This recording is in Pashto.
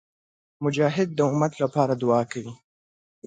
مجاهد د امت لپاره دعا کوي.